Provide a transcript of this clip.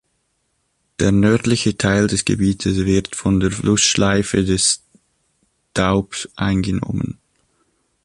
Der nördliche Teil des Gebietes wird von der Flussschleife des Doubs eingenommen.